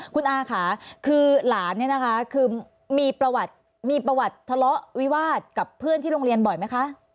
คุณอาค่ะคือหลานเนี่ยนะคะคือมีประวัติมีประวัติทะเลาะวิวาสกับเพื่อนที่โรงเรียนบ่อยไหมคะ